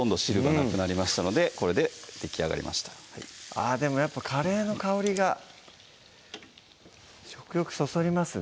あぁでもやっぱカレーの香りが食欲そそりますね